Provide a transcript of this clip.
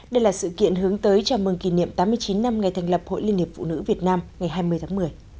đây là sự kiện hướng tới chào mừng kỷ niệm tám mươi chín năm ngày thành lập hội liên hiệp phụ nữ việt nam ngày hai mươi tháng một mươi